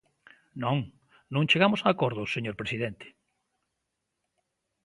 Non, non chegamos a acordo, señor presidente.